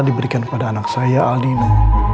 diberikan kepada anak saya aldina